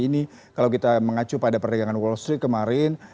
ini kalau kita mengacu pada perdagangan wall street kemarin